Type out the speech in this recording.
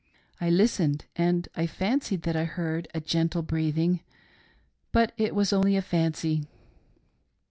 I listened, and I fancied that I heard a gentle breathing — but it was only fancy.